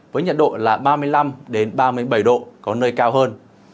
với nhiệt độ là ba mươi năm ba mươi bảy độ có nơi cao hơn